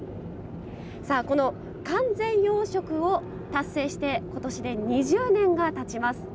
さあ、この完全養殖を達成してことしで２０年がたちます。